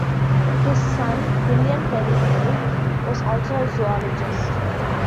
His son, William Perry Hay, was also a zoologist.